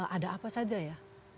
ada apa saja ya